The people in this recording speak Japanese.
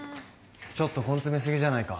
ちょっと根詰めすぎじゃないか